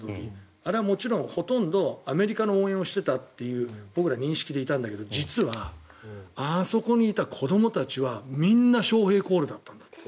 あれはもちろんほとんどアメリカの応援をしていたという僕らそういう認識でいたんだけど実はあそこにいた子どもたちはみんな翔平コールだったんだって。